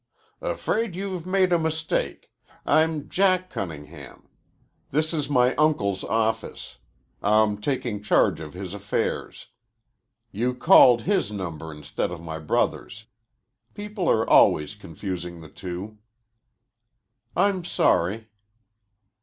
"Afraid you've made a mistake. I'm Jack Cunningham. This is my uncle's office. I'm taking charge of his affairs. You called his number instead of my brother's. People are always confusing the two." "I'm sorry."